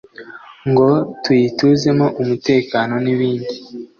Ngo tuyituzemo umutekano nibindi